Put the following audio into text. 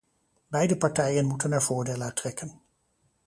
Beide partijen moeten er voordeel uit trekken.